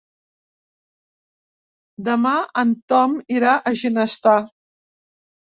Demà en Tom irà a Ginestar.